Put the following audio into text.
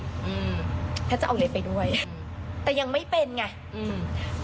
อืมแพทย์จะเอาเล็กไปด้วยอืมแต่ยังไม่เป็นไงอืม